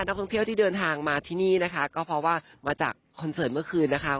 ท่องเที่ยวที่เดินทางมาที่นี่นะคะก็เพราะว่ามาจากคอนเสิร์ตเมื่อคืนนะคะ